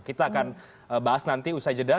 kita akan bahas nanti usai jeda